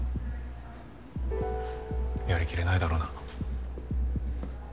やりきれないだろうな。